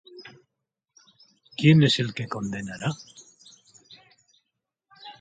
¿Quién es el que condenará?